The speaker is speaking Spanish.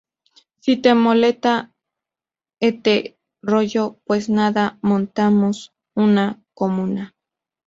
si te mola este rollo, pues nada, montamos una comuna